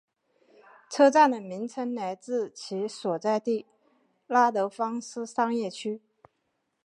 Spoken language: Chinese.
车站的名称来自其所在地拉德芳斯商业区。